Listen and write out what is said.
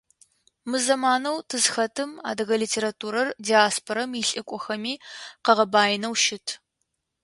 Мы зэманэу тызхэтым адыгэ литературэр диаспорэм илӏыкӏохэми къагъэбаинэу щыт.